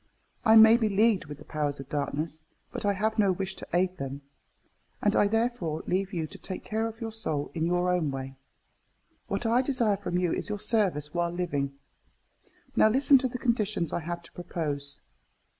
I may be leagued with the powers of darkness, but I have no wish to aid them; and I therefore leave you to take care of your soul in your own way. What I desire from you is your service while living. Now listen to the conditions I have to propose.